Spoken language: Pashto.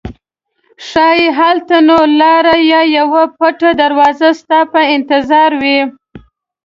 ښایي هلته نوې لاره یا یوه پټه دروازه ستا په انتظار وي.